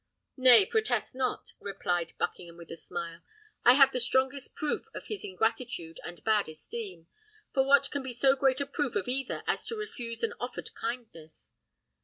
"Nay, protest not," replied Buckingham, with a smile. "I have the strongest proof of his ingratitude and bad esteem; for what can be so great a proof of either as to refuse an offered kindness?"